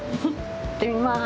行ってみます。